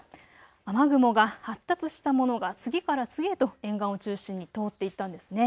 雨雲が発達したものが次から次へと沿岸を中心に通っていったんですね。